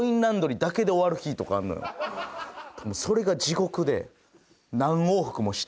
それが地獄で何往復もして。